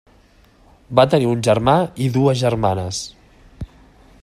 Va tenir un germà i dues germanes.